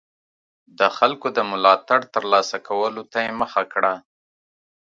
د خلکو د ملاتړ ترلاسه کولو ته یې مخه کړه.